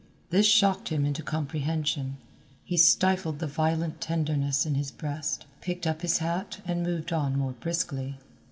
This shocked him into comprehension; he stifled the violent tenderness in his breast, picked up his hat and moved on more briskly.